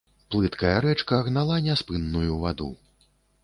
Плыткая рэчка гнала няспынную ваду.